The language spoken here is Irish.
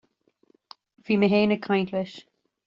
Bhí mé féin ag caint leis